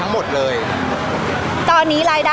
พี่ตอบได้แค่นี้จริงค่ะ